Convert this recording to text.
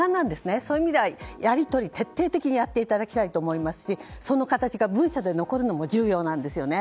そういう意味ではやり取り、徹底的にやっていただきたいと思いますしその形が文書で残るのも重要なんですね。